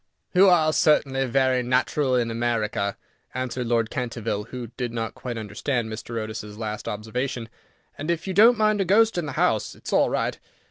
"You are certainly very natural in America," answered Lord Canterville, who did not quite understand Mr. Otis's last observation, "and if you don't mind a ghost in the house, it is all right.